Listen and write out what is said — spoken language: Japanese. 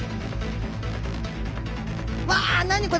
うわ何これ。